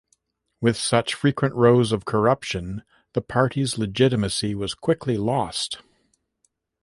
With such frequent rows of corruption, the party's legitimacy was quickly lost.